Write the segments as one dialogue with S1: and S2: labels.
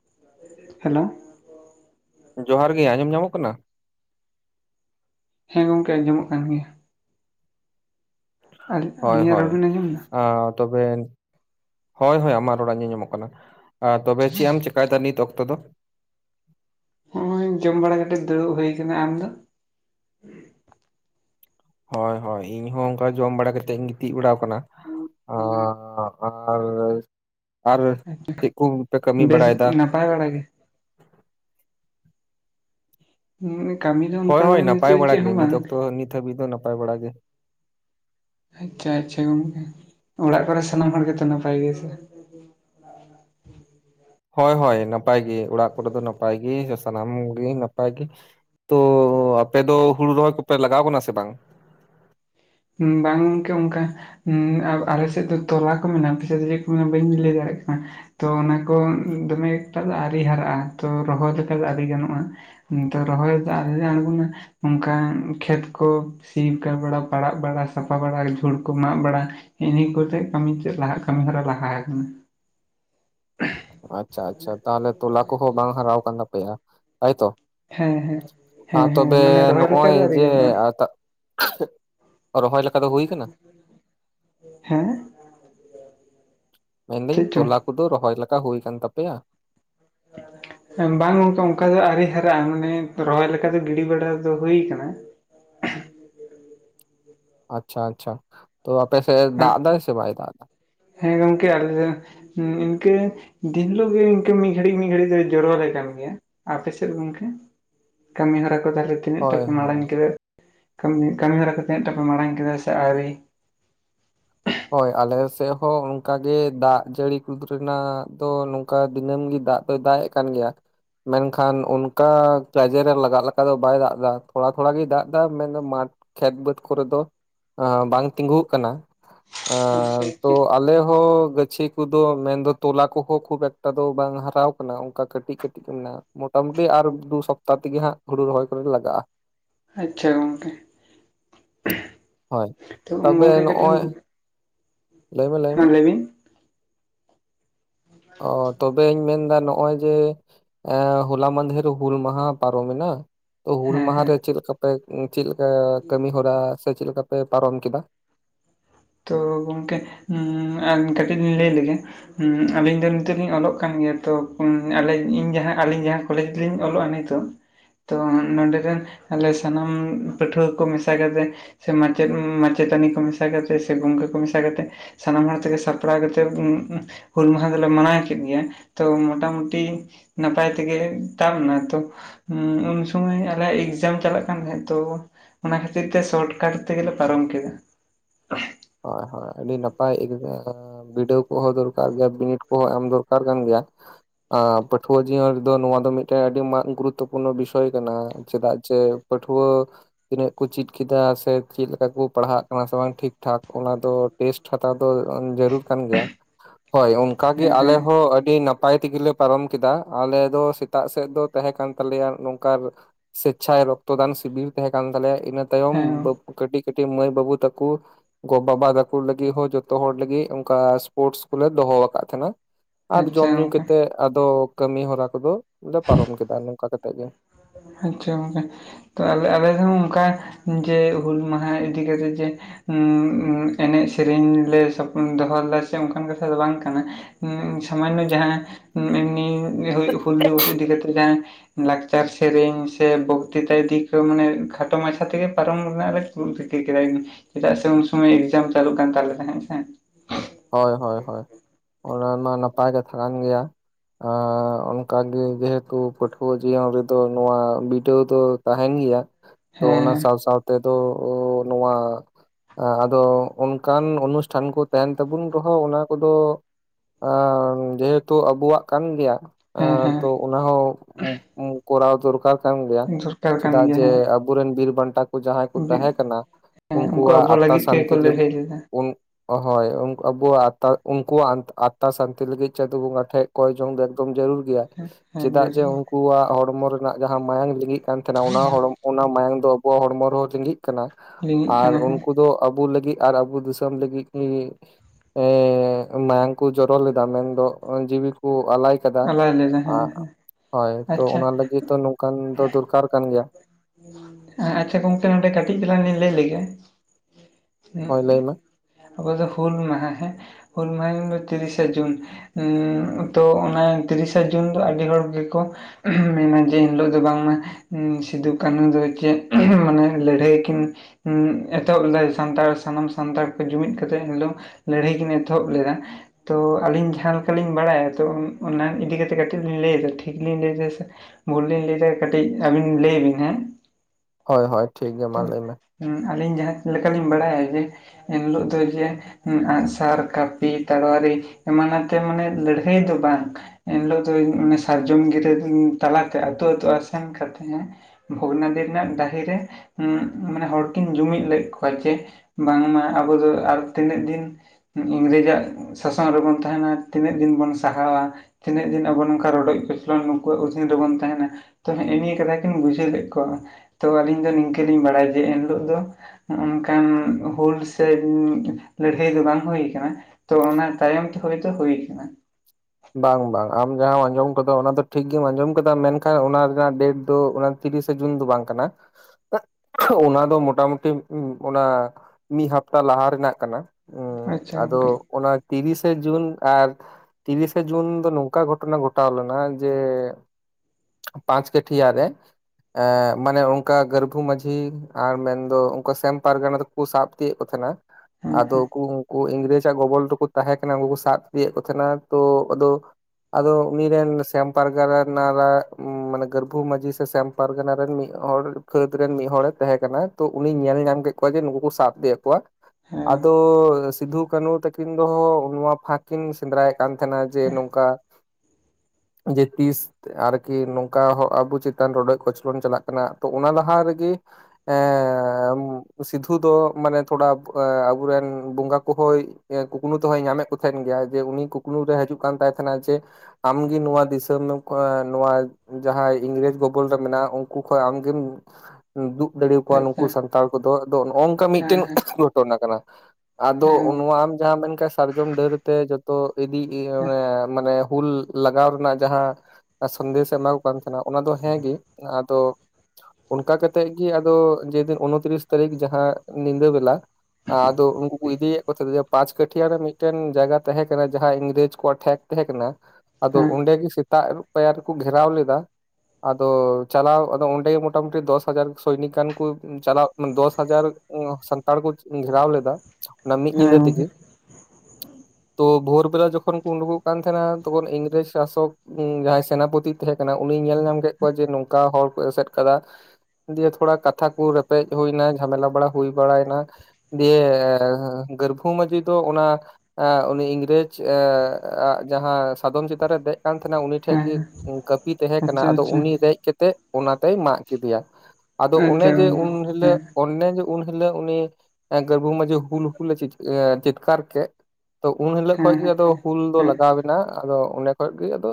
S1: [unintelligible] Hello
S2: ᱡᱚᱦᱟᱨ ᱜᱤ ᱟᱸᱡᱚᱢ ᱧᱟᱢᱚᱜ ᱠᱟᱱᱟ?
S1: ᱦᱮᱸ ᱜᱚᱝᱠᱮ ᱟᱸᱡᱚᱢᱚᱜ ᱠᱟᱱ ᱜᱮᱭᱟ।
S2: ᱦᱚᱭ
S1: ᱟᱹᱞᱤᱧᱟᱜ ᱨᱚᱲ
S2: ᱦᱚᱭ
S1: ᱵᱤᱱ ᱟᱸᱡᱚᱢ ᱮᱫᱟ
S2: ᱟᱸ.. ᱛᱚᱵᱮ ᱦᱚᱭ ᱦᱚᱭ ᱟᱢᱟᱜ ᱨᱚᱲ ᱟᱸᱡᱚᱢ ᱧᱟᱢᱚᱜ ᱠᱟᱱᱟ। ᱟᱸ ᱛᱚᱵᱮ ᱪᱮᱛ ᱮᱢ ᱪᱮᱠᱟᱭ ᱫᱟ ᱱᱤᱛ ᱚᱠᱛᱚ ᱫᱚ?
S1: ᱱᱚᱜ-ᱚᱭ ᱡᱚᱢ ᱵᱟᱲᱟ ᱠᱟᱛᱮᱫ ᱫᱩᱲᱩᱵ ᱦᱩᱭ ᱟᱠᱟᱱᱟ। ᱟᱢᱫᱚ?
S2: ᱦᱳᱭ ᱦᱳᱭ ᱤᱧᱦᱚᱸ ᱚᱱᱠᱟ ᱡᱚᱢ ᱵᱟᱲᱟ ᱠᱟᱛᱮᱫ ᱤᱧ ᱜᱤᱛᱤᱡ ᱵᱟᱲᱟ ᱠᱟᱱᱟ। ᱟᱸ ᱟᱨ ᱪᱮᱫ ᱠᱚᱯᱮ ᱠᱟᱹᱢᱤ ᱵᱟᱲᱟᱭ ᱫᱟ?
S1: ᱛᱟᱦᱮ ᱵᱟᱲᱟ ᱜᱮ ᱦᱩᱸ ᱠᱟᱹᱢᱤ
S2: ᱦᱳᱭ
S1: ᱚᱱᱠᱟ ᱫᱚ
S2: ᱦᱳᱭ ᱱᱟᱯᱟᱭ
S1: ᱱᱤᱛᱚᱜ ᱫᱚ
S2: ᱵᱟᱲᱟ
S1: ᱪᱮᱫ
S2: ᱜᱮ
S1: ᱦᱚᱸ
S2: ᱱᱤᱛ
S1: ᱵᱟᱝ
S2: ᱚᱠᱛᱚ ᱱᱤᱛ ᱦᱟᱹᱵᱤᱡ ᱫᱚ ᱱᱟᱯᱟᱭ ᱵᱟᱲᱟ ᱜᱮ।
S1: ᱟᱪᱪᱷᱟ ᱟᱪᱪᱷᱟ ᱜᱚᱢᱠᱮ ᱚᱲᱟᱜ ᱠᱚᱨᱮ ᱥᱟᱱᱟᱢ ᱦᱚᱲ ᱜᱮᱛᱚ ᱱᱟᱯᱟᱭ ᱜᱮ ᱥᱮ?
S2: ᱦᱳᱭ ᱦᱳᱭ ᱱᱟᱯᱟᱭᱜᱮ ᱚᱲᱟᱜ ᱠᱚᱨᱮ ᱫᱚ ᱱᱟᱯᱟᱭ ᱜᱮ ᱥᱟᱱᱟᱢ ᱠᱚ ᱜᱮ ᱱᱟᱯᱟᱭ ᱜᱮ। ᱛᱚ ᱟᱯᱮ ᱫᱚ ᱦᱩᱲᱩ ᱨᱚᱦᱚᱭ ᱠᱚᱯᱮ ᱞᱟᱜᱟᱣ ᱠᱟᱱᱟ ᱥᱮ ᱵᱟᱝ?
S1: ᱵᱟᱝ ᱜᱚᱢᱠᱮ ᱚᱱᱠᱟ ᱦᱮᱸ ᱟᱨ ᱟᱞᱮ ᱥᱮᱛ ᱫᱚ ᱛᱚᱞᱟ ᱠᱚ ᱢᱮᱱᱟ। ᱟᱯᱮ ᱥᱮᱛ ᱫᱚ ᱪᱮᱛ ᱠᱚ ᱢᱮᱱᱟ ᱵᱟᱹᱧ ᱞᱟᱹᱭ ᱫᱟᱲᱮᱭᱟᱜ ᱠᱟᱱᱟ? ᱛᱚ ᱚᱱᱟ ᱠᱚ ᱫᱚᱢᱮ ᱮᱠᱴᱟ ᱫᱚ ᱟᱹᱣᱨᱤ ᱦᱟᱨᱟᱜᱼᱟ ᱛᱚ ᱨᱚᱦᱚᱭ ᱞᱮᱠᱟ ᱫᱚ ᱟᱹᱣᱨᱤ ᱜᱟᱱᱚᱜᱼᱟ। ᱫᱚ ᱨᱚᱦᱚᱭ ᱫᱚ ᱟᱹᱣᱨᱤ ᱞᱮ ᱟᱬᱜᱚᱱᱟ ᱚᱱᱠᱟ ᱠᱷᱮᱛ ᱠᱚ ᱥᱤ ᱠᱚ ᱵᱟᱲᱟ। ᱯᱟᱲᱟᱜ ᱵᱟᱲᱟ ᱥᱟᱯᱷᱟ ᱵᱟᱲᱟ ᱡᱷᱩᱲ ᱠᱚ ᱢᱟᱜ ᱵᱟᱲᱟ ᱦᱤᱜᱼᱤ ᱱᱤᱭᱟᱹ ᱠᱚᱛᱮ ᱠᱟᱹᱢᱤ ᱪᱮᱫ ᱞᱟᱦᱟᱜ ᱠᱟᱹᱢᱤ ᱦᱚᱨᱟ ᱞᱟᱦᱟ ᱟᱠᱟᱱᱟ?
S2: ᱟᱪᱪᱷᱟ ᱟᱪᱪᱷᱟ ᱛᱟᱦᱚᱞᱮ ᱛᱚᱞᱟ ᱠᱚᱦᱚᱸ ᱵᱟᱝ ᱦᱟᱨᱟᱣ ᱠᱟᱱ ᱛᱟᱯᱮᱭᱟ ᱛᱟᱹᱭ ᱛᱚ?
S1: ᱦᱮᱸ ᱦᱮᱸ
S2: ᱟ
S1: ᱦᱮᱸ ᱦᱮᱸ
S2: ᱛᱚᱵᱮ
S1: ᱢᱟᱱᱮ ᱨᱚᱦᱚᱭ
S2: ᱱᱚᱜ
S1: ᱞᱮᱠᱟ
S2: ᱚᱭ
S1: ᱫᱚ ᱟᱹᱣᱨᱤ
S2: ᱡᱮ
S1: ᱜᱟᱱᱚᱜᱼᱟ
S2: ᱟᱛᱟ
S1: ᱦᱮᱸ
S2: ᱢᱮᱱᱫᱟᱹᱧ
S1: ᱪᱮᱫ ᱪᱚᱝ
S2: ᱛᱚᱞᱟ ᱠᱚᱫᱚ ᱨᱚᱦᱚᱭ ᱞᱮᱠᱟ ᱦᱩᱭ ᱠᱟᱱ ᱛᱟᱯᱮᱭᱟ?
S1: ᱵᱟᱝ ᱜᱚᱢᱠᱮ ᱚᱱᱠᱟ ᱫᱚ ᱟᱹᱣᱨᱤ ᱦᱟᱨᱟᱜᱼᱟ ᱢᱟᱱᱮ ᱨᱚᱦᱚᱭ ᱞᱮᱠᱟ ᱫᱚ ᱜᱤᱲᱤ ᱵᱟᱲᱟ ᱫᱚ ᱦᱩᱭ ᱠᱟᱱᱟ।
S2: ᱟᱪᱪᱷᱟ ᱟᱪᱪᱷᱟ ᱛᱚ ᱛᱯᱮ ᱥᱮᱛ ᱮ
S1: ᱟᱨ
S2: ᱫᱟᱜ ᱫᱟᱭ ᱥᱮ ᱵᱟᱭ ᱫᱟᱜ-ᱫᱟ?
S1: ᱦᱮᱸ ᱜᱚᱢᱠᱮ ᱟᱞᱮ ᱥᱮᱛ ᱦᱮᱸ ᱤᱱᱠᱟᱹ ᱫᱤᱱ ᱦᱤᱞᱳᱜ ᱜᱮ ᱤᱱᱠᱟᱹ ᱢᱤᱫ ᱜᱷᱟᱹᱲᱤᱡ ᱢᱤᱫ ᱜᱷᱟᱹᱲᱤᱡ ᱫᱚᱭ ᱡᱚᱨᱚ ᱟᱞᱮ ᱠᱟᱱ ᱜᱮᱭᱟ। ᱟᱯᱮ ᱥᱮᱛ ᱜᱚᱢᱠᱮ ᱠᱟᱹᱢᱤ ᱦᱚᱨᱟ ᱠᱚ ᱛᱟᱦᱚᱞᱮ ᱛᱤᱱᱟᱹᱜ ᱴᱟ
S2: ᱦᱳᱭ
S1: ᱯᱮ
S2: ᱦᱳᱭ
S1: ᱢᱟᱲᱟᱝ ᱠᱮᱫᱟ ᱠᱟᱹᱢᱤ ᱠᱟᱹᱢᱤ ᱦᱚᱨᱟ ᱠᱚ ᱛᱤᱱᱟᱹᱜ ᱴᱟ ᱯᱮ ᱢᱟᱲᱟᱝ ᱠᱮᱫᱟ ᱥᱮ ᱟᱹᱣᱨᱤ?
S2: ᱦᱳᱭ ᱟᱞᱮ ᱥᱮᱫ ᱦᱚᱸ ᱚᱱᱠᱟ ᱜᱮ ᱫᱟᱜ ᱡᱟᱹᱲᱤ ᱠᱩᱫ ᱨᱮᱱᱟᱜ ᱫᱚ ᱱᱚᱝᱠᱟ ᱫᱤᱱᱟᱹᱢ ᱜᱮ ᱫᱟᱜ ᱫᱟᱜᱼᱮᱜ ᱠᱟᱱ ᱜᱮᱭᱟ। ᱢᱮᱱᱠᱷᱟᱱ ᱚᱱᱠᱟ ᱠᱟᱡᱮ ᱨᱮ ᱞᱟᱜᱟᱜ ᱞᱮᱠᱟ ᱫᱚ ᱵᱟᱭ ᱫᱟᱜ ᱫᱟ ᱛᱷᱚᱲᱟ ᱛᱷᱚᱲᱟ ᱜᱮᱭ ᱫᱟᱜ ᱫᱟ ᱢᱮᱱᱫᱚ ᱢᱟᱴᱷ ᱠᱷᱮᱛ ᱵᱟᱹᱫᱽ ᱠᱚᱨᱮ ᱫᱚ ᱮᱸ ᱵᱟᱝ ᱛᱤᱜᱩ ᱠᱟᱱᱟ। ᱮᱸ
S1: ᱟᱪᱪᱷᱟ
S2: ᱛᱚ
S1: ᱟᱪᱪᱷᱟ
S2: ᱟᱞᱮ ᱦᱚᱸ ᱜᱟᱹᱪᱷᱤ ᱩᱱᱠᱩ ᱫᱚ ᱢᱮᱱᱫᱚ ᱛᱚᱞᱟ ᱠᱚᱠᱚ ᱠᱷᱩᱵ ᱮᱠᱴᱟ ᱫᱚ ᱵᱟᱝ ᱦᱟᱨᱟᱣ ᱠᱟᱱᱟ ᱚᱱᱠᱟ ᱠᱟᱹᱴᱤᱡ ᱠᱟᱹᱴᱤᱡ ᱢᱮᱱᱟᱜᱼᱟ। ᱢᱚᱴᱟᱢᱩᱴᱤ ᱟᱨ ᱫᱩ ᱥᱚᱯᱛᱟ ᱛᱮᱜᱮ ᱦᱟᱸᱜ ᱦᱩᱲᱩ ᱨᱚᱦᱚᱭ ᱠᱚᱨᱮ ᱞᱟᱜᱟᱜᱼᱟ।
S1: ᱟᱪᱪᱷᱟ ᱜᱚᱢᱠᱮ
S2: ᱦᱳᱭ
S1: ᱛᱚ ᱜᱚᱢᱠᱮ ᱠᱟᱹᱴᱤᱡ ᱮᱢ
S2: ᱞᱟᱹᱭᱢᱮ ᱞᱟᱹᱭᱢᱮ ᱚ ᱛᱚᱵᱮᱧ ᱢᱮᱱᱫᱟ ᱱᱚᱜᱼᱚᱭ ᱡᱮ ᱮ ᱦᱚᱞᱟ ᱢᱟᱫᱷᱮᱨ ᱦᱩᱞ ᱢᱟᱦᱟ ᱯᱟᱨᱚᱢᱮᱱᱟ ᱛᱚ ᱦᱩᱞ
S1: ᱦᱮᱸ ᱦᱮᱸ
S2: ᱢᱟᱦᱟᱮ ᱪᱮᱫ ᱞᱮᱠᱟ ᱟᱯᱮ ᱪᱮᱫ ᱞᱮᱠᱟ ᱠᱟᱹᱢᱤ ᱦᱚᱨᱟ ᱥᱮ ᱪᱮᱫ ᱞᱮᱠᱟ ᱯᱮ ᱯᱟᱨᱚᱢ ᱠᱮᱫᱟ
S1: ᱛᱚ ᱜᱚᱢᱠᱮ ᱠᱟᱹᱴᱤᱡ ᱞᱤᱧ ᱞᱟᱹᱭ ᱞᱮᱜᱮ ᱟᱞᱤᱧ ᱫᱚ ᱱᱤᱛᱚᱜ ᱞᱤᱧ ᱚᱞᱚᱜ ᱠᱟᱱ ᱜᱮᱭᱟ ᱛᱚ ᱤᱧ ᱡᱟᱦᱟᱸ ᱟᱞᱤᱧ ᱡᱟᱦᱟᱸ ᱠᱚᱞᱮᱡᱽ ᱨᱮᱞᱤᱧ ᱚᱞᱚᱜᱼᱟ ᱱᱤᱛᱚᱜ ᱛᱚ ᱱᱚᱰᱮ ᱨᱮᱱ ᱟᱞᱮ ᱥᱟᱱᱟᱢ ᱯᱟᱹᱴᱷᱩᱣᱟᱹ ᱠᱚ ᱢᱮᱥᱟ ᱠᱟᱛᱮ ᱥᱮ ᱢᱟᱪᱮᱫ ᱢᱟᱪᱮᱛᱟᱹᱱᱤ ᱠᱚ ᱢᱮᱥᱟ ᱠᱟᱛᱮᱫ ᱥᱮ ᱜᱚᱢᱠᱮ ᱠᱚ ᱢᱮᱥᱟ ᱠᱟᱛᱮᱫ ᱥᱟᱱᱟᱢ ᱦᱚᱲ ᱛᱮᱜᱮ ᱥᱟᱯᱲᱟᱣ ᱠᱟᱛᱮᱜ ᱵᱚᱱ ᱦᱩᱞ ᱢᱟᱦᱟ ᱫᱚᱞᱮ ᱢᱟᱱᱟᱣ ᱠᱮᱫ ᱜᱮᱭᱟ ᱛᱚ ᱢᱚᱴᱟᱢᱩᱴᱤ ᱱᱟᱯᱟᱭ ᱛᱮᱜᱮ ᱛᱟᱵ ᱱᱟ ᱛᱚ ᱦᱮᱸ ᱩᱱ ᱥᱚᱢᱚᱭ ᱟᱞᱮᱭᱟᱜ ᱮᱠᱡᱟᱢ ᱪᱟᱞᱟᱜ ᱠᱟᱱ ᱛᱟᱦᱮᱸ ᱛᱚ ᱚᱱᱟ ᱠᱷᱟᱹᱛᱤᱨ ᱛᱮ ᱥᱚᱴ ᱠᱟᱴ ᱛᱮᱜᱮᱞᱮ ᱯᱟᱨᱚᱢ ᱠᱮᱫᱟ [inaudible] [unintelligible]
S2: ᱦᱳᱭ ᱦᱳᱭ ᱟᱹᱰᱤ ᱱᱟᱯᱟᱭ ᱵᱤᱰᱟᱹᱣ ᱠᱚᱦᱚᱸ ᱫᱚᱨᱠᱟᱨ ᱜᱮᱭᱟ ᱵᱤᱱᱤᱰ ᱠᱚᱸᱦᱚᱸ ᱮᱢ ᱫᱚᱨᱠᱟᱨ ᱠᱟᱱ ᱜᱮᱭᱟ ᱯᱟᱹᱴᱷᱩᱣᱟᱹ ᱡᱤᱭᱚᱱ ᱨᱮᱫᱚ ᱱᱚᱣᱟ ᱫᱚ ᱢᱤᱫᱴᱮᱱ ᱟᱹᱰᱤ ᱜᱩᱨᱩᱛᱛᱚᱯᱩᱨᱱᱚ ᱵᱤᱥᱚᱭ ᱠᱟᱱᱟ ᱪᱮᱫᱟᱜ ᱡᱮ ᱯᱟᱹᱴᱷᱩᱣᱟᱹ ᱛᱤᱱᱟᱹᱜ ᱠᱚ ᱪᱮᱫ ᱠᱮᱫᱟ ᱥᱮ ᱪᱮᱫ ᱞᱮᱠᱟ ᱠᱚ ᱯᱟᱲᱦᱟᱜ ᱠᱟᱱᱟ ᱥᱮ ᱵᱟᱝ ᱴᱷᱤᱠ ᱴᱷᱟᱠ ᱚᱱᱟ ᱫᱚ ᱴᱮᱥᱴ ᱦᱟᱛᱟᱣ ᱫᱚ ᱡᱟᱹᱨᱩᱲ ᱠᱟᱱ ᱜᱮᱭᱟ ᱦᱳᱭ ᱚᱱᱠᱟ ᱜᱮ
S1: ᱦᱮᱸ ᱦᱮᱸ
S2: ᱟᱞᱮ ᱦᱚᱸ ᱟᱹᱰᱤ ᱱᱟᱼᱼ ᱼᱯᱟᱭ ᱛᱮ ᱜᱮᱞᱮ ᱯᱟᱨᱚᱢ ᱠᱮᱫᱟ ᱟᱞᱮ ᱫᱚ ᱥᱮᱛᱟᱜ ᱥᱮᱫ ᱫᱚ ᱛᱟᱦᱮᱸ ᱠᱟᱱ ᱛᱟᱞᱮᱭᱟ ᱱᱚᱝᱠᱟ ᱥᱮᱪᱪᱷᱟᱭ ᱨᱚᱠᱛᱚᱫᱟᱱ ᱥᱤᱵᱤᱨ ᱛᱟᱦᱮᱸ ᱠᱟᱱ ᱛᱟᱞᱮᱭᱟ ᱤᱱᱟᱹ ᱛᱟᱭᱚᱢ ᱠᱟᱹᱴᱤᱡ ᱠᱟᱹᱴᱤᱡ ᱢᱟᱹᱭ ᱵᱟᱹᱵᱩ ᱛᱟᱠᱚ ᱜᱚ ᱵᱟᱵᱟ ᱛᱟᱠᱚ ᱞᱟᱹᱜᱤᱫ ᱦᱚᱸ ᱡᱚᱛᱚ ᱦᱚᱲ ᱞᱟᱹᱜᱤᱫ ᱚᱱᱠᱟ ᱥᱯᱳᱴᱥ ᱠᱚᱞᱮ ᱫᱚᱦᱚᱣᱟ ᱟᱠᱟᱫ ᱛᱟᱦᱮᱸᱱᱟ ᱟᱨ
S1: ᱦᱮᱸ ᱟᱪᱪᱷᱟ
S2: ᱡᱚᱢ ᱧᱩ
S1: ᱜᱚᱝᱠᱮ
S2: ᱠᱟᱛᱮᱫ ᱟᱫᱚ ᱠᱟᱹᱢᱤ ᱦᱚᱨᱟ ᱠᱚᱫᱚ ᱞᱮ ᱯᱟᱨᱚᱢ ᱠᱮᱫᱟ ᱱᱚᱝᱠᱟ ᱠᱟᱛᱮᱫ ᱜᱮ
S1: ᱟᱪᱪᱷᱟ ᱜᱚᱝᱠᱮ ᱛᱚ ᱟᱞᱮ ᱟᱞᱮᱦᱚᱸ ᱚᱱᱠᱟ ᱡᱮ ᱦᱩᱞ ᱢᱟᱦᱟ ᱤᱫᱤ ᱠᱟᱛᱮᱜ ᱡᱮ ᱩᱸᱻ ᱮᱱᱮᱡ ᱥᱮᱨᱮᱧ ᱞᱮ ᱫᱚᱦᱚ ᱞᱮᱫᱟ ᱥᱮ ᱚᱱᱠᱟᱱ ᱠᱟᱛᱷᱟ ᱫᱚ ᱵᱟᱝ ᱠᱟᱱᱟ ᱥᱟᱢᱟᱱᱱᱚ ᱡᱟᱦᱟᱸ ᱮᱢᱱᱤ ᱦᱩᱞ ᱫᱤᱵᱚᱥ ᱤᱫᱤ ᱠᱟᱛᱮᱜ ᱡᱟᱦᱟᱸ ᱞᱟᱹᱠᱛᱤ ᱞᱟᱠᱪᱟᱨ ᱥᱮᱨᱮᱧ ᱥᱮ ᱵᱚᱠᱛᱤᱛᱟ ᱠᱚ ᱢᱟᱱᱮ ᱠᱷᱟᱴᱚ ᱢᱮᱪᱷᱟ ᱛᱮᱜᱮ ᱯᱟᱨᱚᱢ ᱨᱮᱱᱟᱜ ᱞᱮ ᱨᱤᱠᱟᱹ ᱠᱮᱫᱟ ᱪᱮᱫᱟᱜ ᱥᱮ ᱩᱱ ᱥᱚᱢᱚᱭ ᱮᱠᱡᱟᱢ ᱪᱟᱹᱞᱩᱜ ᱠᱟᱱ ᱛᱟᱞᱮ ᱛᱟᱦᱮᱸᱫ ᱥᱮ
S2: ᱦᱳᱭ ᱦᱳᱭ ᱦᱳᱭ ᱚᱱᱟ ᱢᱟ ᱱᱟᱯᱟᱭ ᱠᱟᱛᱷᱟ ᱠᱟᱱ ᱜᱮᱭᱟ ᱟᱨ ᱚᱱᱠᱟᱜᱮ ᱡᱮᱦᱮᱛᱩ ᱯᱟᱹᱴᱷᱩᱣᱟᱹ ᱡᱤᱭᱚᱱ ᱨᱮᱫᱚ ᱱᱚᱣᱟ ᱵᱤᱰᱟᱹᱣ ᱫᱚ ᱛᱟᱦᱮᱱ ᱜᱮᱭᱟ ᱛᱚ ᱚᱱᱟ
S1: ᱦᱮᱸ
S2: ᱥᱟᱶ ᱥᱟᱶᱛᱮ ᱛᱮᱫᱚ ᱱᱚᱣᱟ ᱟᱫᱚ ᱚᱱᱠᱟᱱ ᱚᱱᱩᱥᱴᱷᱟᱱ ᱠᱚ ᱛᱟᱦᱮᱱ ᱛᱟᱵᱩᱱ ᱨᱮᱦᱚᱸ ᱚᱱᱟ ᱠᱚᱫᱚᱻ ᱡᱮᱦᱮᱛᱩ ᱟᱵᱚᱣᱟᱜ ᱠᱟᱱ ᱜᱮᱭᱟ
S1: ᱦᱮᱸ
S2: ᱮᱸᱻ ᱛᱚ
S1: ᱦᱮᱸ
S2: ᱚᱱᱟᱦᱚᱸ ᱠᱚᱨᱟᱣ ᱫᱚᱨᱠᱟᱨ ᱠᱟᱱ ᱜᱮᱭᱟ
S1: ᱫᱚᱨᱠᱟᱨ ᱠᱟᱱ
S2: ᱪᱮᱫᱟᱜ
S1: ᱜᱮᱭᱟ
S2: ᱡᱮ
S1: ᱦᱮᱸ
S2: ᱟᱵᱚ ᱨᱮᱱ ᱵᱤᱨ ᱵᱟᱱᱴᱟ ᱠᱚ ᱡᱟᱦᱟᱸᱭ ᱠᱚ
S1: ᱦᱮᱸ
S2: ᱛᱟᱦᱮᱸ ᱠᱟᱱᱟ
S1: ᱩᱱᱠᱩ
S2: ᱩᱱᱠᱩᱣᱟᱜ
S1: ᱟᱵᱚ
S2: ᱟᱛᱛᱟ
S1: ᱞᱟᱹᱜᱤᱫ ᱛᱮᱜᱮ
S2: ᱥᱟᱱᱛᱤ
S1: ᱠᱚ
S2: ᱞᱟᱹᱜᱤᱫ
S1: ᱞᱟᱹᱲᱦᱟᱹᱭ ᱞᱮᱫᱟ
S2: ᱚ ᱦᱳᱭ ᱟᱵᱚᱣᱟᱜ ᱟᱛᱛᱟ ᱩᱱᱠᱩᱣᱟᱜ ᱟᱛᱛᱟ ᱥᱟᱱᱛᱤ ᱞᱟᱹᱜᱤᱫ ᱪᱟᱸᱫᱳ ᱵᱚᱸᱜᱟ ᱴᱷᱮᱡ ᱠᱚᱭ ᱡᱚᱝ ᱫᱚ ᱮᱠᱫᱚᱢ ᱡᱟᱹᱨᱩᱲ ᱜᱮᱭᱟ
S1: ᱦᱮᱸ
S2: ᱪᱮᱫᱟᱜ ᱡᱮ
S1: ᱡᱟᱹᱨᱩᱨᱤ
S2: ᱩᱱᱠᱩᱣᱟᱜ ᱦᱚᱲᱢᱚ ᱨᱮ ᱼᱱᱟᱜ ᱡᱟᱦᱟᱸ ᱢᱟᱭᱟᱝ ᱞᱤᱸᱜᱤᱜ ᱠᱟᱱ ᱛᱟᱦᱮᱱᱟ ᱚᱱᱟ ᱦᱚᱲᱚ ᱚᱱᱟ ᱢᱟᱭᱟᱝ ᱫᱚ ᱟᱵᱚᱣᱟᱜ ᱦᱚᱲᱢᱚ ᱨᱮᱦᱚᱸ ᱞᱤᱸᱜ ᱼᱜᱤᱜ ᱠᱟᱱᱟ
S1: ᱞᱤᱸᱜᱤᱜ
S2: ᱟᱨ
S1: ᱠᱟᱱᱟ ᱦᱮᱸ
S2: ᱩᱱᱠᱩ ᱫᱚ ᱟᱵᱩ ᱞᱟᱹᱜᱤᱫ ᱟᱨ ᱟᱵᱚ ᱫᱤᱥᱚᱢ ᱞᱟᱹᱜᱤᱫ ᱮᱸᱻ ᱢᱟᱭᱟᱝ ᱠᱚ ᱡᱚᱨᱚ ᱞᱮᱫᱟ ᱢᱮᱱᱫᱚ ᱡᱤᱣᱤ ᱠᱚ ᱟᱞᱟᱭ
S1: ᱟᱞᱟᱭ ᱞᱮᱫᱟ ᱦᱮᱸ ᱦᱮᱸ
S2: ᱦᱳᱭ ᱛᱚ
S1: ᱟᱪᱪᱷᱟ
S2: ᱚᱱᱟ ᱞᱟᱹᱜᱤᱫ ᱫᱚ ᱱᱚᱝᱠᱟᱱ ᱫᱚ ᱫᱚᱨᱠᱟᱨ ᱠᱟᱱ ᱜᱮᱭᱟ
S1: ᱟᱪᱪᱷᱟ ᱜᱚᱢᱠᱮ ᱱᱚᱰᱮ ᱠᱟᱹᱴᱤᱡ ᱪᱟᱞᱟᱝ ᱞᱤᱧ ᱞᱟᱹᱭ ᱞᱮᱜᱮ ᱦᱮᱸ
S2: ᱦᱳᱭ ᱞᱟᱹᱭ ᱢᱮ
S1: ᱟᱵᱚ ᱫᱚ ᱦᱩᱞ ᱢᱟᱦᱟ ᱦᱮᱸ ᱦᱩᱞ ᱢᱟᱦᱟ ᱢᱮᱱᱫᱚ ᱛᱤᱨᱤᱥᱟ ᱡᱩᱱ ᱛᱚ ᱛᱤᱨᱤᱥᱟ ᱡᱩᱱ ᱫᱚ ᱟᱹᱰᱤ ᱦᱚᱲ ᱜᱮᱠᱚ ᱢᱮᱱᱟ ᱡᱮ ᱮᱱ ᱦᱤᱞᱳᱜ ᱫᱚ ᱵᱟᱝᱢᱟ ᱥᱤᱫᱷᱩ ᱠᱟᱹᱱᱦᱩ ᱫᱚ ᱪᱮᱫ ᱢᱟᱱᱮ ᱞᱟᱹᱲᱦᱟᱹᱭ ᱠᱤᱱ ᱮᱛᱚᱦᱚᱵ ᱞᱮᱫᱟᱭ ᱥᱟᱱᱛᱟᱲ ᱥᱟᱱᱟᱢ ᱥᱟᱱᱛᱟᱲ ᱠᱚ ᱡᱩᱢᱤᱫ ᱠᱟᱛᱮ ᱞᱟᱹᱲᱦᱟᱹᱭ ᱠᱤᱱ ᱮᱛᱚᱦᱚᱵ ᱞᱮᱫᱟ ᱛᱚ ᱟᱹᱞᱤᱧ ᱡᱟᱦᱟᱸ ᱞᱮᱠᱟ ᱞᱤᱧ ᱵᱟᱲᱟᱭᱟ ᱛᱚ ᱚᱱᱟ ᱤᱫᱤ ᱠᱟᱛᱮ ᱠᱟᱹᱴᱤᱡ ᱞᱤᱧ ᱞᱟᱹᱭᱮᱫᱟ ᱴᱷᱤᱠ ᱞᱤᱧ ᱞᱟᱹᱭᱮᱫᱟ ᱥᱮ ᱵᱷᱩᱞ ᱞᱤᱧ ᱞᱟᱹᱭ ᱮᱫᱟ ᱠᱟᱹᱴᱤᱡ ᱟᱹᱵᱤᱱ ᱞᱟᱹᱭ ᱟᱵᱤᱱ ᱦᱮᱸ ᱾
S2: ᱦᱳᱭ ᱦᱳᱭ ᱴᱷᱤᱠ ᱜᱮᱭᱟ ᱢᱟ ᱞᱟᱹᱭ ᱢᱮ ᱾
S1: ᱟᱹᱞᱤᱧ ᱡᱟᱦᱟᱸ ᱞᱮᱠᱟᱞᱤᱧ ᱵᱟᱲᱟᱭᱟ ᱡᱮ ᱮᱱᱦᱤᱞᱳᱜ ᱫᱚ ᱡᱮ ᱟᱸᱜ ᱥᱟᱨ ᱠᱟᱹᱯᱤ ᱛᱟᱲᱣᱟᱨᱤ ᱮᱢᱟᱱ ᱛᱮ ᱢᱟᱱᱮ ᱞᱟᱹᱲᱦᱟᱹᱭ ᱫᱚ ᱵᱟᱝ ᱮᱱᱦᱤᱞᱳᱜ ᱫᱚ ᱥᱟᱨᱡᱚᱢ ᱜᱤᱨᱟᱹ ᱛᱟᱞᱟᱛᱮ ᱟᱹᱛᱩ ᱟᱹᱛᱩ ᱥᱮᱱ ᱠᱟᱛᱮ ᱵᱷᱚᱜᱽᱱᱟᱰᱤ ᱨᱮᱱᱟᱜ ᱰᱟᱹᱦᱤᱨᱮ ᱢᱟᱱᱮ ᱦᱚᱲ ᱠᱤᱱ ᱡᱩᱢᱤᱫ ᱞᱮᱫ ᱠᱚᱣᱟ ᱡᱮ ᱵᱟᱝ ᱢᱟ ᱟᱵᱚ ᱫᱚ ᱟᱨ ᱛᱤᱱᱟᱹᱜ ᱫᱤᱱ ᱤᱝᱨᱮᱡᱟᱜ ᱥᱟᱥᱚᱱ ᱨᱮᱵᱚᱱ ᱛᱟᱦᱮᱱᱟ ᱛᱤᱱᱟᱹᱜ ᱫᱤᱱ ᱵᱚᱱ ᱥᱟᱦᱟᱣᱟ ᱛᱤᱱᱟᱹᱜ ᱫᱤᱱ ᱟᱵᱚ ᱱᱚᱝᱠᱟ ᱨᱚᱰᱚᱡ ᱠᱚᱪᱞᱚᱱ ᱱᱩᱠᱩᱣᱟᱜ ᱚᱫᱷᱤᱱ ᱨᱮᱵᱚᱱ ᱛᱟᱦᱮᱱᱟ ᱛᱚ ᱦᱮᱸᱼ ᱮ ᱱᱤᱭᱟᱹ ᱠᱟᱛᱷᱟ ᱠᱤᱱ ᱵᱩᱡᱷᱟᱹᱣ ᱞᱮᱫ ᱠᱚᱣᱟ ᱛᱳ ᱟᱹᱞᱤᱧ ᱫᱚ ᱱᱤᱝᱠᱟᱹ ᱞᱤᱧ ᱵᱟᱲᱟᱭᱟ ᱡᱮ ᱮᱱᱦᱤᱞᱳᱜ ᱫᱚ ᱚᱱᱠᱟᱱ ᱦᱩᱞ ᱥᱮ ᱞᱟᱹᱲᱦᱟᱹᱭ ᱫᱚ ᱵᱟᱝ ᱦᱩᱭ ᱟᱠᱟᱱᱟ ᱛᱚ ᱚᱱᱟ ᱛᱟᱭᱚᱢ ᱛᱮ ᱦᱚᱭᱛᱳ ᱦᱩᱭ ᱟᱠᱟᱱᱟ ᱾
S2: ᱵᱟᱝ ᱵᱟᱝ ᱟᱢ ᱡᱟᱦᱟᱸᱟᱢ ᱟᱸᱡᱚᱢ ᱟᱠᱟᱫᱟ ᱚᱱᱟ ᱫᱚ ᱴᱷᱤᱠ ᱜᱮᱢ ᱟᱸᱡᱚᱢ ᱟᱠᱟᱫᱟ ᱢᱮᱱᱠᱷᱟᱱ ᱚᱱᱟ ᱨᱮᱱᱟᱜ ᱰᱮᱹᱴ ᱫᱚ ᱛᱤᱨᱤᱥᱮ ᱡᱩᱱ ᱫᱚ ᱵᱟᱝ ᱠᱟᱱᱟ ᱾ ᱚᱱᱟ ᱫᱚ ᱢᱚᱴᱟᱢᱩᱴᱤ ᱚᱱᱟ ᱢᱤᱫ ᱦᱟᱯᱛᱟ ᱞᱟᱦᱟ ᱨᱮᱱᱟᱜ ᱠᱟᱱᱟ ᱾ ᱦᱮᱸ
S1: ᱟᱪᱪᱷᱟ
S2: ᱟᱫᱚ
S1: ᱜᱚᱝᱠᱮ
S2: ᱚᱱᱟ ᱛᱤᱨᱤᱥᱮ ᱡᱩᱱ ᱟᱨ ᱛᱤᱨᱤᱥᱮ ᱡᱩᱱ ᱫᱚ ᱱᱚᱝᱠᱟ ᱜᱷᱚᱴᱚᱱᱟ ᱜᱷᱚᱴᱟᱣ ᱞᱮᱱᱟ ᱡᱮ ᱯᱟᱸᱪ ᱠᱮᱴᱷᱤᱭᱟ ᱨᱮ ᱮ ᱢᱟᱱᱮ ᱚᱱᱠᱟ ᱜᱚᱨᱵᱷᱩ ᱢᱟᱡᱷᱤ ᱟᱨ ᱢᱮᱱᱫᱚ ᱚᱱᱠᱟ ᱥᱮᱢ ᱯᱟᱨᱜᱟᱱᱟ ᱫᱚ ᱠᱚ ᱥᱟᱵ ᱛᱤᱭᱳ ᱮᱫ ᱠᱚ ᱛᱟᱦᱮᱱᱟ ᱾
S1: ᱦᱮᱸ
S2: ᱟᱫᱚ
S1: ᱦᱮᱸ
S2: ᱩᱱᱠᱩ ᱤᱝᱨᱮᱡ ᱟᱜ ᱜᱚᱵᱚᱞ ᱨᱮᱠᱚ ᱛᱟᱦᱮᱸ ᱠᱟᱱᱟ ᱩᱱᱠᱩ ᱥᱟᱵ ᱤᱫᱤᱭᱮᱫ ᱠᱚ ᱛᱟᱦᱮᱸᱱᱟ ᱛᱚ ᱟᱫᱚ ᱟᱫᱚ ᱩᱱᱤ ᱨᱮᱱ ᱥᱮᱢ ᱯᱟᱨᱜᱟᱨ ᱨᱮᱱᱟᱜ ᱢᱟᱱᱮ ᱜᱚᱨᱵᱷᱚ ᱢᱟᱡᱷᱤ ᱥᱮ ᱥᱮᱢ ᱯᱟᱨᱜᱟᱱᱟ ᱨᱮᱱ ᱢᱤᱫ ᱦᱚᱲ ᱠᱷᱟᱹᱫᱽ ᱨᱮᱱ ᱢᱤᱫ ᱦᱚᱲᱮ ᱛᱟᱦᱮᱸ ᱠᱟᱱᱟ ᱛᱚ ᱩᱱᱤ ᱧᱮᱞ ᱧᱟᱢ ᱠᱮᱫ ᱠᱚᱣᱟ ᱡᱮ ᱱᱩᱠᱩ ᱠᱚ ᱥᱟᱵ ᱤᱫᱤᱭᱮᱫ ᱠᱚᱣᱟ ᱾
S1: ᱦᱮᱸ
S2: ᱟᱫᱚ ᱥᱤᱫᱩ ᱠᱟᱹᱱᱦᱩ ᱛᱟᱹᱠᱤᱱ ᱫᱚ ᱱᱚᱣᱟ ᱯᱷᱟᱸᱠ ᱠᱤᱱ ᱥᱮᱸᱫᱽᱨᱟᱭᱮᱫ ᱠᱟᱱ ᱛᱟᱦᱮᱸᱱᱟ ᱡᱮ ᱱᱚᱝᱠᱟ ᱡᱮ ᱛᱤᱥ ᱟᱨᱠᱤ ᱱᱚᱝᱠᱟ ᱟᱵᱚ ᱪᱮᱛᱟᱱ ᱨᱚᱰᱚᱡ ᱠᱚᱪᱞᱚᱱ ᱪᱟᱞᱟᱜ ᱠᱟᱱᱟ ᱛᱚ ᱚᱱᱟ ᱞᱟᱦᱟ ᱨᱮᱜᱮ ᱮ ᱥᱤᱫᱷᱩ ᱫᱚ ᱢᱟᱱᱮ ᱛᱷᱚᱲᱟ ᱟᱵᱚ ᱨᱮᱱ ᱵᱚᱸᱜᱟ ᱠᱚᱦᱚᱭ ᱠᱩᱠᱢᱩ ᱛᱮᱦᱚᱸᱭ ᱧᱟᱢᱮᱫ ᱠᱚ ᱛᱟᱦᱮᱱ ᱜᱮᱭᱟ ᱡᱮ ᱩᱱᱤ ᱠᱩᱠᱢᱩ ᱨᱮᱭ ᱦᱤᱡᱩᱜ ᱠᱟᱱ ᱛᱟᱦᱮᱱᱟ ᱡᱮ ᱟᱢᱜᱮ ᱱᱚᱣᱟ ᱫᱤᱥᱚᱢᱮᱢ ᱱᱚᱣᱟ ᱡᱟᱦᱟᱸᱭ ᱤᱝᱨᱮᱡᱽ ᱜᱚᱵᱚᱞ ᱨᱮ ᱢᱮᱱᱟᱜ ᱩᱱᱠᱩ ᱠᱷᱚᱡ ᱟᱢᱜᱮᱢ ᱫᱩᱜ ᱫᱟᱲᱮ ᱟᱠᱚᱣᱟ ᱱᱩᱠᱩ
S1: ᱟᱪᱪᱷᱟ
S2: ᱥᱟᱱᱛᱟᱲ ᱠᱚᱫᱚ ᱟᱫᱚ ᱱᱚᱜ ᱱᱚᱝᱠᱟ
S1: ᱦᱮᱸ
S2: ᱢᱤᱫᱴᱮᱱ
S1: ᱦᱮᱸ
S2: ᱜᱷᱚᱴᱚᱱᱟ ᱠᱟᱱᱟ ᱟᱫᱚ
S1: ᱦᱮᱸ
S2: ᱱᱚᱣᱟ ᱟᱢ ᱡᱟᱦᱟᱸ ᱢᱮᱱᱠᱷᱟᱱ ᱥᱟᱨᱡᱚᱢ ᱰᱟᱹᱨᱛᱮ ᱡᱚᱛᱚ ᱡᱩᱫᱤ ᱜᱮ
S1: ᱦᱮᱸ
S2: ᱚᱱᱮ ᱢᱟᱱᱮ ᱦᱩᱞ ᱞᱟᱜᱟᱣ ᱨᱮᱱᱟᱜ ᱡᱟᱦᱟᱸ ᱥᱚᱱᱫᱮᱥᱮ ᱮᱢᱟ ᱠᱚ ᱠᱟᱱ ᱛᱟᱦᱮᱸᱱᱟ ᱚᱱᱟ ᱫᱚ ᱦᱮᱸ ᱜᱮ ᱟᱫᱚ ᱚᱱᱠᱟ ᱠᱟ ᱠᱟᱛᱮ ᱜᱮ ᱟᱫᱚ ᱡᱮᱫᱤᱱ ᱩᱱᱛᱤᱨᱤᱥ ᱛᱟᱹᱨᱤᱠᱷ ᱡᱟᱦᱟᱸ ᱧᱤᱫᱟᱹ ᱵᱮᱞᱟ ᱟᱫᱚ ᱩᱱᱠᱩ ᱤᱫᱤᱭᱮᱫ ᱠᱚ ᱛᱟᱦᱮᱸ ᱯᱟᱸᱪ ᱠᱟᱴᱷᱤᱭᱟ ᱨᱮ ᱢᱤᱫᱴᱮᱱ ᱡᱟᱭᱜᱟ ᱛᱟᱦᱮ ᱠᱟᱱᱟ ᱡᱟᱦᱟᱸ ᱤᱝᱨᱮᱡᱽ ᱠᱚᱣᱟᱜ ᱴᱷᱮᱠ ᱛᱟᱦᱮᱸ ᱠᱟᱱᱟ ᱟᱫᱚ
S1: ᱦᱮᱸ
S2: ᱚᱸᱰᱮᱜᱮ ᱥᱮᱛᱟᱜ ᱯᱟᱭᱟᱨ ᱨᱮᱠᱚ ᱜᱷᱮᱨᱟᱣ ᱞᱮᱫᱟ ᱾ ᱟᱫᱚ ᱪᱟᱞᱟᱣ ᱟᱫᱚ ᱚᱸᱰᱮ ᱜᱮ ᱢᱚᱴᱟᱢᱩᱴᱤ ᱫᱚᱥ ᱦᱟᱡᱟᱨ ᱥᱚᱭᱱᱤᱠ ᱜᱟᱱ ᱠᱚ ᱪᱟᱞᱟᱣ ᱫᱚᱥ ᱦᱟᱡᱟᱨ ᱥᱟᱱᱛᱟᱲ ᱠᱚ ᱜᱷᱮᱨᱟᱣ ᱞᱮᱫᱟ ᱾ ᱚᱱᱟ ᱢᱤᱫ ᱧᱤᱫᱟᱹ ᱛᱮ
S1: ᱦᱮᱸ
S2: ᱜᱮ ᱛᱚ ᱵᱷᱳᱨ ᱵᱟ ᱵᱮᱞᱟ ᱡᱚᱠᱷᱚᱱ ᱠᱚ ᱩᱰᱩᱠᱚᱜ ᱠᱟᱱ ᱛᱟᱦᱮᱱᱟ ᱛᱚᱠᱷᱚᱱ ᱤᱝᱨᱮᱡᱽ ᱥᱟᱥᱚᱠ ᱡᱟᱦᱟᱸᱭ ᱥᱮᱱᱟᱯᱚᱛᱤ ᱛᱟᱦᱮᱸ ᱠᱟᱱᱟ ᱩᱱᱤ ᱧᱮᱞ ᱧᱟᱢ ᱠᱮᱫ ᱠᱚᱣᱟ ᱡᱮ ᱱᱚᱝᱠᱟ ᱦᱚᱲ ᱠᱚ ᱮᱥᱮᱫ ᱠᱟᱫᱟ ᱫᱤᱭᱮ ᱛᱷᱚᱲᱟ ᱠᱟᱛᱷᱟ ᱠᱚ ᱨᱮᱯᱮᱡ ᱦᱩᱭᱱᱟ ᱡᱷᱟᱢᱮᱞᱟ ᱵᱟᱲᱟ ᱦᱳᱭ ᱵᱟᱲᱟᱭᱱᱟ ᱫᱤᱭᱮ ᱜᱚᱨᱵᱷᱩ ᱢᱟᱡᱷᱤ ᱫᱚ ᱚᱱᱟ ᱩᱱᱤ ᱤᱝᱨᱮᱡᱽ ᱮ ᱡᱟᱦᱟᱸ ᱥᱟᱫᱚᱢ ᱪᱮᱛᱟᱱ ᱨᱮᱭ ᱫᱮᱡ ᱠᱟᱱ ᱛᱟᱦᱮᱱᱟ ᱩᱱᱤ
S1: ᱜᱚᱝᱠᱮ
S2: ᱴᱷᱮᱱ ᱜᱮ
S1: ᱦᱮᱸ ᱦᱮᱸ
S2: ᱠᱟᱹᱯᱤ ᱛᱟᱦᱮᱸ ᱠᱟᱱᱟ
S1: ᱟᱪᱪᱷᱟ ᱟᱪᱪᱷᱟ
S2: ᱟᱫᱚ ᱩᱱᱤ
S1: ᱟᱪᱪᱷᱟ
S2: ᱨᱮᱡ ᱠᱟᱛᱮ ᱚᱱᱟᱛᱮᱭ ᱢᱟᱜ ᱠᱮᱫᱮᱭᱟ ᱾ ᱟᱫᱚ
S1: ᱜᱚᱝᱠᱮ ᱦᱮᱸ
S2: ᱚᱱᱮ ᱡᱮ ᱩᱱ ᱦᱤᱞᱳᱜ
S1: ᱦᱮᱸ
S2: ᱚᱱᱮ ᱡᱮ ᱩᱱ ᱦᱤᱞ ᱩᱱᱤ ᱜᱚᱨᱵᱷᱩ ᱦᱩᱞ ᱦᱩᱞᱮ ᱪᱤᱛᱠᱟᱨ ᱠᱮ ᱩᱱ
S1: ᱦᱮᱸ
S2: ᱦᱤᱞᱳᱜ ᱠᱷᱚᱡ ᱜᱮ
S1: ᱦᱮᱸ
S2: ᱟᱫᱚ ᱦᱩᱞ ᱫᱚ
S1: ᱦᱮᱸ
S2: ᱞᱟᱜᱟᱣ ᱮᱱᱟ, ᱟᱫᱚ ᱚᱸᱰᱮ ᱠᱷᱚᱡ ᱜᱮ ᱟᱫᱚ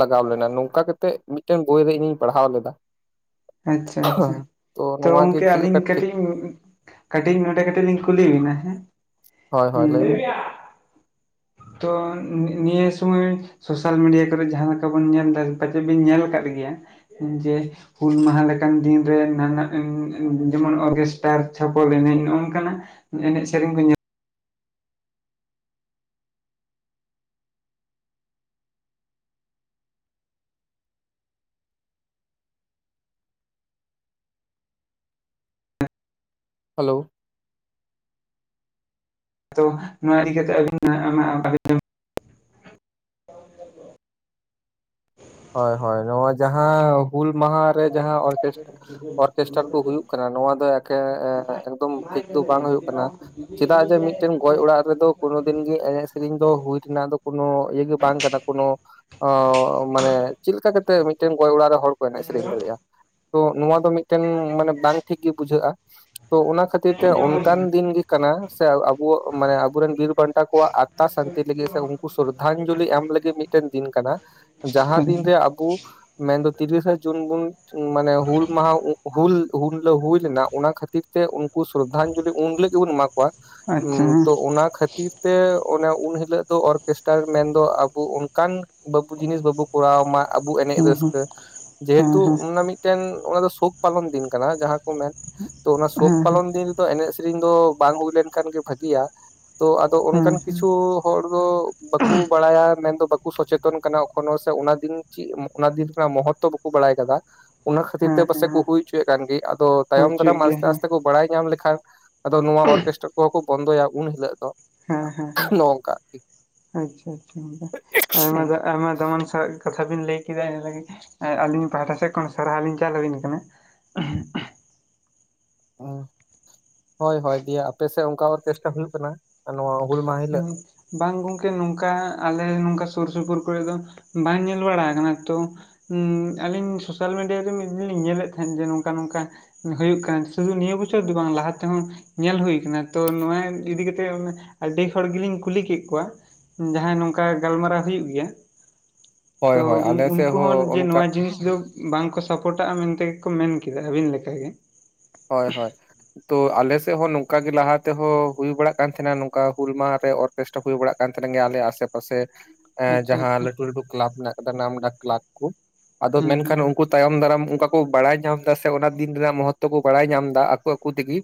S2: ᱞᱟᱜᱟᱣ ᱞᱮᱱᱟ ᱱᱚᱝᱠᱟ ᱠᱟᱛᱮᱜ ᱢᱤᱫᱴᱮᱱ ᱵᱳᱭᱨᱮ ᱤᱧᱤᱧ ᱯᱟᱲᱦᱟᱣ ᱞᱮᱫᱟ,
S1: ᱟᱪᱪᱷᱟ ᱟᱪᱪᱷᱟ ᱛᱚ
S2: ᱱᱚᱣᱟ ᱜᱮ
S1: ᱜᱚᱝᱠᱮ
S2: ᱪᱮᱫ ᱞᱮᱠᱟ
S1: ᱟᱹᱞᱤᱧ
S2: ᱴᱷᱤᱠ
S1: ᱠᱟᱹᱴᱤᱡ ᱠᱟᱹᱴᱤᱡ ᱱᱚᱰᱮ ᱠᱟᱹᱴᱤᱡ ᱞᱤᱧ ᱠᱩᱞᱤ ᱵᱤᱱᱟ ᱦᱮᱸ
S2: ᱦᱳᱭ ᱦᱳᱭ ᱞᱟᱹᱭ ᱢᱮ
S1: ᱦᱸᱢ ᱛᱚ ᱱᱤᱭᱟᱹ ᱥᱚᱢᱚᱭ ᱥᱳᱥᱟᱞ ᱢᱤᱰᱤᱭᱟ ᱠᱚᱨᱮᱜ ᱡᱟᱸᱦᱟ ᱞᱮᱠᱟ ᱵᱚᱱ ᱧᱮᱞ ᱫᱟ ᱾ ᱯᱟᱪᱮᱫ ᱵᱤᱱ ᱧᱮᱞ ᱠᱟᱜ ᱜᱮᱭᱟ ᱡᱮ ᱦᱩᱞ ᱢᱟᱦᱟ ᱞᱮᱠᱟᱱ ᱫᱤᱱ ᱨᱮ ᱱᱟ, ᱡᱮᱢᱚᱱ ᱚᱨᱜᱮᱥᱴᱟᱨ ᱪᱷᱚᱯᱚᱞ ᱮᱱᱮᱡ ᱱᱚᱜ ᱱᱚᱝ ᱠᱟᱱᱟᱜ ᱾ ᱮᱱᱮᱡ ᱥᱮᱨᱮᱧ ᱠᱚ ᱧᱟᱢᱼᱟ ᱾
S2: ᱦᱮᱞᱳ,
S1: ᱛᱚ ᱱᱚᱣᱟ ᱤᱫᱤ ᱠᱟ ᱟᱹᱵᱤᱱ
S2: ᱦᱳᱭ ᱦᱳᱭ ᱱᱚᱣᱟ ᱡᱟᱸᱦᱟ ᱦᱩᱞ ᱢᱟᱦᱟᱮ ᱡᱟᱸᱦᱟ ᱚᱨᱠᱮᱥᱴᱟᱨ ᱠᱚ ᱦᱩᱭᱩᱜ ᱠᱟᱱᱟ ᱱᱚᱣᱟ ᱫᱚ ᱮᱠᱮᱱ ᱮᱠᱫᱚᱢ ᱴᱷᱤᱠ ᱫᱚ ᱵᱟᱝ ᱦᱩᱭᱩᱜ ᱠᱟᱱᱟ ᱾ ᱪᱮᱫᱟᱜ ᱡᱮ ᱢᱤᱫᱴᱮᱱ ᱜᱚᱡ ᱚᱲᱟᱜ ᱨᱮᱫᱚ, ᱠᱳᱱᱳ ᱫᱤᱱ ᱜᱮ ᱮᱱᱮᱡ ᱥᱮᱨᱮᱧ ᱫᱚ ᱦᱩᱭ ᱨᱮᱱᱟᱜ, ᱫᱚ ᱠᱳᱱᱳ ᱤᱭᱟᱹ ᱜᱮ ᱵᱟᱝ ᱠᱟᱱᱟ ᱠᱳᱱᱳ ᱢᱟᱱᱮ ᱪᱮᱫ ᱞᱮᱠᱟ ᱠᱟᱛᱮᱜ, ᱢᱤᱫᱴᱮᱱ ᱜᱚᱡ ᱚᱲᱟᱜ ᱨᱮ ᱦᱚᱲ ᱠᱚ ᱮᱱᱮᱡ ᱥᱮᱨᱮᱧ ᱫᱟᱲᱮᱭᱟᱜᱼᱟ ᱾ ᱛᱚ ᱱᱚᱣᱟ ᱫᱚ ᱢᱤᱫᱴᱮᱱ ᱢᱟᱱᱮ ᱵᱟᱝ ᱴᱷᱤᱠ ᱜᱮ ᱵᱩᱡᱷᱟᱹᱜᱼᱟ ᱾ ᱛᱚ ᱚᱱᱟ ᱠᱷᱟᱹᱛᱤᱨ ᱛᱮ ᱚᱱᱠᱟᱱ ᱫᱤᱱ ᱜᱮ ᱠᱟᱱᱟ ᱾ᱥᱮ ᱟᱵᱚ ᱢᱟᱱᱮ ᱟᱵᱚᱨᱮᱱ ᱵᱤᱨ ᱵᱟᱱᱴᱟ ᱠᱚᱣᱟᱜ ᱟᱛᱢᱟ ᱥᱟᱱᱛᱤ ᱞᱟᱹᱜᱤᱫ, ᱥᱮ ᱩᱱᱠᱩ ᱥᱨᱫᱟᱧᱡᱚᱞᱤ ᱮᱢ, ᱞᱟᱹᱜᱤᱫ ᱢᱤᱫᱴᱮᱱ ᱫᱤᱱ ᱠᱟᱱᱟ ᱾ ᱡᱟᱸᱦᱟ ᱫᱤᱱᱨᱮ ᱟᱵᱚ ᱢᱮᱱᱫᱚ ᱛᱤᱨᱤᱥᱟ ᱡᱩᱱ, ᱵᱩᱱ ᱢᱟᱱᱮ ᱦᱩᱞ ᱢᱟᱦᱟ ᱦᱩᱞ ᱩᱱ ᱦᱤᱞᱳᱜ ᱦᱩᱭ ᱞᱮᱱᱟ ᱾ ᱚᱱᱟ ᱠᱷᱟᱹᱛᱤᱨ ᱛᱮ ᱩᱱᱠᱩ ᱥᱨᱽᱫᱟᱧᱡᱚᱞᱤ ᱩᱱ ᱦᱤᱞᱳᱜ ᱜᱮᱵᱚᱱ ᱮᱢᱟ ᱠᱚᱣᱟ
S1: ᱟᱪᱪᱷᱟ
S2: ᱾
S1: ᱦᱮᱸ
S2: ᱛᱚ ᱚᱱᱟ ᱠᱷᱟᱹᱛᱤᱨ, ᱛᱮ ᱚᱱᱟ ᱩᱱ ᱦᱤᱞᱳᱜ ᱫᱚ, ᱚᱨᱠᱮᱥᱴᱟᱨ ᱢᱮᱱᱫᱚ ᱟᱵᱚ ᱚᱱᱠᱟᱱ ᱵᱟᱵᱩ ᱡᱤᱱᱤᱥ ᱵᱟᱵᱚ ᱠᱚᱨᱟᱣ ᱢᱟ ᱾ ᱟᱵᱚ ᱮᱱᱮᱡ
S1: ᱦᱮᱸ
S2: ᱨᱟᱹᱥᱠᱟᱹ
S1: ᱦᱮᱸ
S2: ᱡᱮᱦᱮᱛᱩ, ᱚᱱᱟ ᱚᱱᱟ ᱢᱤᱫ ᱢᱤᱫᱴᱮᱱ ᱚᱱᱟ ᱫᱚ ᱥᱳᱠ ᱯᱟᱞᱚᱱ ᱫᱤᱱ ᱠᱟᱱᱟ ᱾ ᱡᱟᱸᱦᱟ ᱠᱚ ᱢᱮᱱ, ᱛᱚ ᱚᱱᱟ
S1: ᱦᱮᱸ
S2: ᱥᱳᱠ
S1: ᱦᱮᱸ ᱦᱮᱸ ᱦᱮᱸ
S2: ᱯᱟᱞᱚᱱ ᱫᱤᱱ, ᱛᱚ ᱮᱱᱮᱡ ᱥᱮᱨᱮᱧ ᱫᱚ ᱵᱟᱝ ᱦᱩᱭ ᱞᱮᱱᱠᱷᱟᱱ ᱜᱮ ᱵᱷᱟᱜᱤᱭᱟ ᱾ ᱛᱚ ᱟᱫᱚ
S1: ᱦᱮᱸ
S2: ᱚᱱᱠᱟᱱ
S1: ᱦᱮᱸ
S2: ᱠᱤᱪᱷᱩ, ᱦᱚᱲ ᱫᱚ ᱵᱟᱠᱚ ᱵᱟᱲᱟᱭᱟ ᱾ ᱢᱮᱱᱫᱚ ᱵᱟᱠᱚ ᱥᱚᱪᱮᱛᱚᱱ ᱠᱟᱱᱟ ᱾ ᱠᱳᱱᱳ ᱥᱮ ᱚᱱᱟ ᱫᱤᱱ ᱪᱮᱫ, ᱚᱱᱟ ᱫᱤᱱ ᱨᱮᱱᱟᱜ ᱢᱚᱦᱚᱛᱛᱚ ᱵᱟᱠᱚ ᱵᱟᱲᱟᱭ ᱠᱟᱫᱟ ᱾ ᱚᱱᱟ ᱠᱷᱟᱹᱛᱤᱨ ᱛᱮ,
S1: ᱦᱮᱸ
S2: ᱯᱟᱥᱮᱡ ᱠᱚ
S1: ᱦᱮᱸ
S2: ᱦᱩᱭ ᱦᱚᱪᱚᱭᱮᱫ ᱠᱟᱱ ᱜᱮ, ᱟᱫᱚ
S1: ᱦᱳᱭ
S2: ᱛᱟᱭᱚᱢ
S1: ᱦᱚᱪᱚᱭᱮᱫ
S2: ᱫᱟᱨᱟᱢ
S1: ᱜᱮᱭᱟ
S2: ᱟᱥᱛᱮ
S1: ᱦᱮᱸ
S2: ᱟᱥᱛᱮ ᱠᱚ ᱵᱟᱲᱟᱭ ᱧᱟᱢ ᱞᱮᱠᱷᱟᱱ, ᱟᱫᱚ ᱱᱚᱣᱟ ᱚᱨᱠᱮᱥᱴᱨᱟ ᱠᱚᱦᱚ ᱠᱚ ᱵᱚᱱᱫᱚᱭᱟ ᱾ ᱩᱱ ᱦᱤᱞᱳ ᱫᱚ
S1: ᱦᱮᱸ ᱦᱮᱸ ᱦᱮᱸ
S2: ᱱᱚᱝᱠᱟ ᱟᱨᱠᱤ᱾
S1: ᱟᱪᱪᱷᱟ, ᱟᱪᱪᱷᱟ ᱜᱚᱝᱠᱮ ᱟᱭᱢᱟ ᱫᱟᱢᱟᱱ ᱥᱟ ᱠᱟᱛᱷᱟ ᱵᱮᱤᱱ ᱞᱟᱹᱭ ᱠᱮᱫᱟ ᱾ ᱤᱱᱟᱹ ᱞᱟᱹᱜᱤᱫ ᱟᱹᱞᱤᱧ ᱯᱟᱦᱴᱟ ᱥᱮᱫ ᱠᱷᱚᱱ, ᱥᱟᱨᱦᱟᱣ ᱞᱤᱧ ᱪᱟᱞ ᱟᱹᱵᱤᱱ ᱠᱟᱱᱟ ᱾
S2: ᱦᱳᱭᱼ ᱦᱳᱭ ᱫᱤᱭᱮ ᱟᱯᱮᱥᱮᱫ ᱚᱱᱠᱟ ᱚᱨᱠᱮᱥᱴᱟ ᱦᱩᱭᱩᱜ ᱠᱟᱱᱟ ᱾ ᱱᱚᱣᱟ ᱦᱩᱞ ᱢᱟᱦᱟ ᱦᱤᱞᱳᱜ
S1: ᱦᱩᱸ ᱵᱟᱝ ᱜᱚᱝᱠᱮ, ᱱᱚᱝᱠᱟ ᱟᱞᱮ ᱱᱚᱝᱠᱟ ᱥᱩᱨ ᱥᱩᱯᱩᱨ ᱠᱚᱨᱮ ᱫᱚ ᱵᱟᱝ ᱧᱮᱞ ᱵᱟᱲᱟ ᱠᱟᱱᱟ ᱾ ᱛᱚ ᱦᱴᱩᱢ ᱟᱹᱞᱤᱧ ᱥᱳᱥᱟᱞ ᱢᱤᱰᱤᱭᱟᱟᱨᱮ ᱢᱤᱫ ᱫᱤᱱ ᱞᱤᱧ ᱧᱮᱞᱮᱫ ᱛᱟᱦᱮᱸᱫ ᱡᱮ ᱱᱚᱝᱠᱟ- ᱱᱚᱝᱠᱟ ᱾ ᱦᱩᱭᱩᱜᱭ ᱠᱟᱱᱟ ᱾ ᱥᱩᱫᱷᱩ ᱱᱤᱭᱟᱹ ᱵᱚᱪᱷᱚᱨ ᱫᱚ ᱵᱟᱝ ᱞᱟᱦᱟ ᱛᱮᱦᱚ, ᱧᱮᱞ ᱦᱩᱭ ᱠᱟᱱᱟ ᱛᱚ, ᱱᱚᱣᱟ ᱤᱫᱤ ᱠᱟᱛᱮᱜ ᱟᱹᱰᱤ ᱦᱚᱲ ᱜᱮᱞᱤᱧ ᱠᱩᱞᱤ ᱠᱮᱫ ᱠᱚᱣᱟ, ᱡᱟᱦᱟᱸᱭ ᱱᱚᱝᱠᱟ ᱜᱟᱞᱢᱟᱨᱟᱣ ᱦᱩᱭᱩᱜ ᱜᱮᱭᱟ ᱾ ᱛᱚ
S2: ᱦᱳᱭ ᱦᱳᱭ ᱟᱞᱮ ᱥᱮᱫ
S1: ᱩᱱᱠᱩ ᱦᱚᱸ ᱡᱮ ᱱᱚᱣᱟ
S2: ᱚᱱᱠᱟ
S1: ᱡᱤᱱᱤᱥ ᱫᱚ, ᱵᱟᱝᱠᱚ ᱥᱟᱯᱚᱴᱟᱜᱼᱟ ᱾ ᱢᱮᱱᱛᱮᱜᱮᱠᱚ ᱢᱮᱱ ᱠᱮᱜᱼᱟ ᱟᱹᱵᱤᱱ ᱞᱮᱠᱟᱜᱮ ᱾
S2: ᱦᱳᱭ ᱦᱳᱭ ᱛᱚ ᱟᱞᱮᱮᱥᱮᱫ ᱦᱚᱸ ᱱᱚᱝᱠᱟ ᱜᱮ ᱞᱟᱦᱟᱛᱮᱦᱚᱸ ᱦᱩᱭ ᱵᱟᱲᱟᱜ ᱠᱟᱱ ᱛᱟᱦᱮᱸᱱᱟ ᱾ ᱱᱚᱝᱠᱟ ᱦᱩᱞ ᱢᱟᱦᱟᱮ ᱚᱨ ᱠᱮᱥᱴᱟ ᱦᱩᱭ ᱵᱟᱲᱟᱜ ᱠᱟᱱ ᱛᱟᱦᱮᱱ ᱜᱮ ᱾ ᱟᱞᱮ ᱟᱥᱮ ᱢᱟᱥᱮ
S1: ᱟᱪᱪᱷᱟ
S2: ᱡᱟᱸᱦᱟ
S1: ᱟᱪᱪᱷᱟ
S2: ᱞᱟᱴᱩ ᱞᱟᱴᱩ ᱠᱮᱞᱟᱵ ᱢᱮᱱᱟᱜ ᱠᱟᱫᱟ, ᱱᱟᱢᱰᱟᱠ ᱠᱮᱞᱟᱵ ᱠᱚ ᱟᱫᱚ
S1: ᱦᱮᱸ ᱦᱮᱸ
S2: ᱢᱮᱱᱠᱷᱟᱱ ᱠᱩ ᱛᱟᱭᱚᱢ ᱫᱟᱨᱟᱢ ᱚᱱᱠᱟ ᱠᱚ ᱵᱟᱲᱟᱭ ᱧᱟᱢ ᱫᱟ ᱾ ᱥᱮ ᱚᱱᱟ ᱫᱤᱱ ᱨᱮᱱᱟᱜ ᱢᱚᱦᱚᱛᱛᱚ ᱠᱚ ᱵᱟᱲᱟᱭ ᱧᱟᱢ ᱫᱟ ᱾ ᱟᱠᱚ ᱟᱠᱚ ᱛᱤᱜᱮ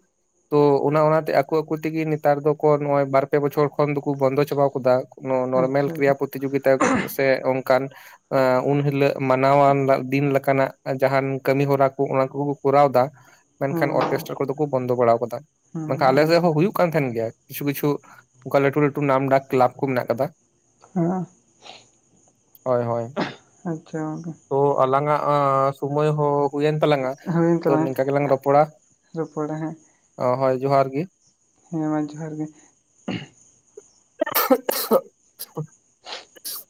S2: ᱛᱚ ᱚᱱᱟ ᱚᱱᱟᱛᱮ ᱟᱠᱚ ᱟᱠᱚ ᱛᱤᱜᱮ, ᱱᱮᱛᱟᱨ ᱫᱚ ᱱᱚᱜᱚᱭ ᱵᱟᱨ ᱯᱮ ᱵᱚᱪᱷᱚᱨ ᱠᱷᱚᱱ ᱫᱚᱠᱚ ᱵᱚᱱᱫᱚ ᱪᱟᱵᱟ ᱠᱟᱫᱟ ᱾ ᱱᱚᱨᱢᱮᱞ
S1: ᱟᱪᱪᱷᱟ
S2: ᱠᱨᱤᱭᱟ ᱯᱨᱚᱛᱤ ᱡᱳᱜᱤᱛᱟ ᱥᱮ ᱚᱱᱠᱟᱱ ᱩᱱᱦᱤᱞᱟᱹᱜ ᱢᱟᱱᱟᱣ ᱟᱱᱟ ᱫᱤᱱ ᱞᱮᱠᱟᱱᱟᱜ ᱡᱟᱦᱟᱱ ᱠᱟᱹᱢᱤ ᱦᱚᱨᱟ ᱠᱚ ᱚᱱᱟ ᱠᱚᱜ ᱠᱚ ᱠᱚᱨᱟᱣ ᱫᱟ ᱾ ᱢᱮᱱᱠᱷᱟᱱ
S1: ᱦᱮᱸ
S2: ᱚᱨᱠᱮᱥᱴᱨᱟ ᱠᱚᱫᱚ ᱠᱚ ᱵᱚᱱᱫᱚ ᱵᱟᱲᱟ ᱠᱟᱫᱟ ᱾ ᱢᱮᱱᱠᱷᱟᱱ ᱟᱞᱮ ᱥᱮᱫ ᱦᱚᱸᱦᱳᱭᱩ ᱠᱟᱱ ᱛᱟᱦᱮᱱ ᱜᱮᱭᱟ ᱠᱤᱪᱷᱩ ᱠᱤᱪᱷᱩ ᱚᱝᱠᱟ ᱞᱟᱹᱴᱩ ᱞᱟᱹᱴᱩ ᱱᱟᱢ ᱰᱟᱠ ᱠᱞᱟᱯ ᱠᱚ ᱢᱮᱱᱟᱜ ᱠᱟᱫᱟ᱾
S1: ᱦᱮᱞᱳ
S2: ᱦᱳᱭ ᱦᱳᱭ
S1: ᱟᱪᱪᱷᱟ ᱜᱚᱢᱠᱮ᱾
S2: ᱛᱚ ᱟᱞᱟᱝ ᱥᱩᱢᱚᱭ ᱦᱳ ᱦᱩᱭᱮᱱ ᱛᱟᱞᱟᱝᱟ
S1: ᱦᱳᱭᱮᱱ
S2: ᱛᱚ
S1: ᱛᱟᱞᱟᱝ
S2: ᱱᱤᱛ ᱨᱚᱯᱚᱲᱟ
S1: ᱨᱚᱯᱚᱲᱟ ᱦᱮᱸ
S2: ᱚ ᱦᱳᱭ ᱡᱚᱦᱟᱨ ᱜᱮ᱾
S1: ᱦᱮᱸ ᱢᱟ ᱡᱚᱦᱟᱨ ᱜᱮ᱾
S2: [unintelligible]
S1: [unintelligible]